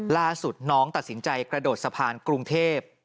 ล่าสุดน้องตัดสินใจกระโดดสะพานกรุงเทพ